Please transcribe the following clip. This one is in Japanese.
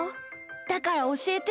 だからおしえて。